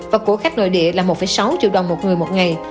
và của khách nội địa là một sáu triệu đồng một người một ngày